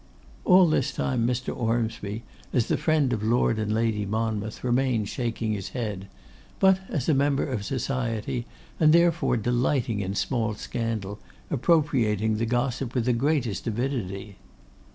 All this time Mr. Ormsby, as the friend of Lord and Lady Monmouth, remained shaking his head; but as a member of society, and therefore delighting in small scandal, appropriating the gossip with the greatest avidity.